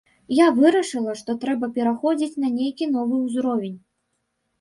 Я вырашыла, што трэба пераходзіць на нейкі новы ўзровень.